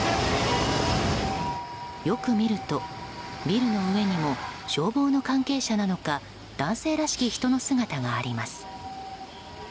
よく見ると、ビルの上にも消防の関係者なのか男性らしき人の姿があります。